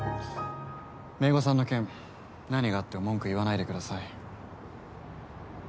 めいごさんの件何があっても文句言わないでください。